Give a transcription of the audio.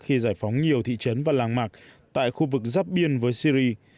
khi giải phóng nhiều thị trấn và làng mạc tại khu vực giáp biên với syri